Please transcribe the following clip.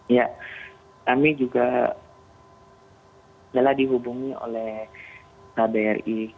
ya kami juga telah dihubungi oleh kbri